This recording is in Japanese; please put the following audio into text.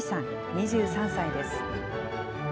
２３歳です。